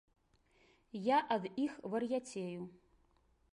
Я ад іх вар'яцею.